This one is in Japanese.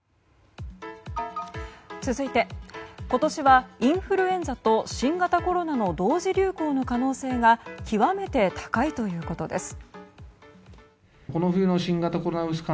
続いて、今年はインフルエンザと新型コロナの同時流行の可能性が極めて高いということです。